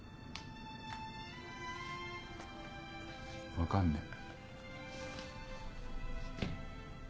分かんねえ。